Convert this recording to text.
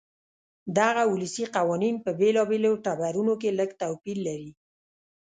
دغه ولسي قوانین په بېلابېلو ټبرونو کې لږ توپیر لري.